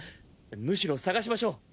むしろ捜しましょう！